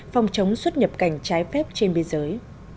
phòng chống xuất nhập cảnh trái phép trên biên giới